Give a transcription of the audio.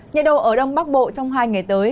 nhà đầu ở đông bắc bộ trong hai ngày tới